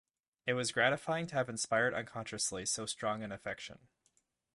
It was gratifying to have inspired unconsciously so strong an affection.